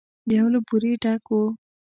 يو له بورې ډک و.